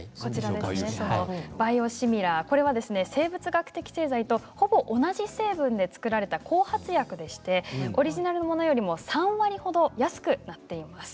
バイオシミラーというのは生物学的製剤とほぼ同じ成分で作られた後発薬でオリジナルのものより３割ほど安くなっています。